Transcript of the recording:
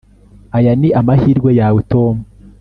Aya ni amahirwe yawe Tom